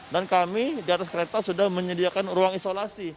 dan kami di atas kereta sudah menyediakan ruang isolasi